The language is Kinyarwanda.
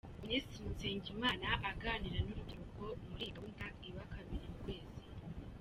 Minisitiri Nsengimana aganira n’urubyiruko muri iyi gahunda iba kabiri mu kwezi.